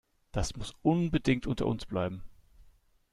Das muss unbedingt unter uns bleiben.